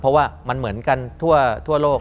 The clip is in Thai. เพราะว่ามันเหมือนกันทั่วโลก